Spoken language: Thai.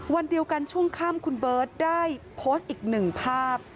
วันเดียวกันช่วงข้ามคุณเบิร์ตได้โพสต์อีก๑ภาพ